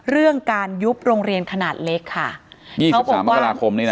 เรื่องการยุบโรงเรียนขนาดเล็กค่ะยี่สิบสามอาคาราคมในหนังวันนี้นะ